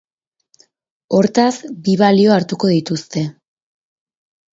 Hortaz, bi balio hartuko dituzte.